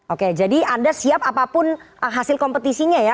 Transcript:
oke jadi anda siap apapun hasil kompetisinya ya